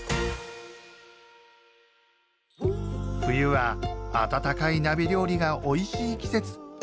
冬は温かい鍋料理がおいしい季節。